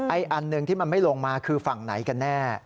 อันหนึ่งที่มันไม่ลงมาคือฝั่งไหนกันแน่